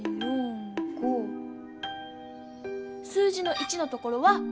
数字の「１」のところは５。